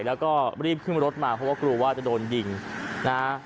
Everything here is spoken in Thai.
แล้วก็รีบขึ้นรถมาเพราะว่ากลัวว่าจะโดนยิงนะฮะ